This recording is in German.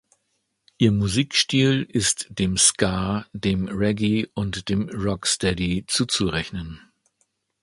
Ihr Musikstil ist dem Ska, dem Reggae und dem Rocksteady zuzurechnen.